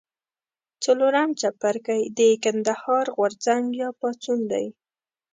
څلورم څپرکی د کندهار غورځنګ یا پاڅون دی.